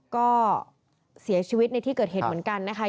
ก็เสียชีวิตในที่เกิดเหตุเหมือนกันนะคะ